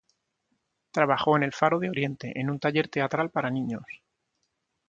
Trabajó en el Faro de Oriente, en un taller teatral para niños.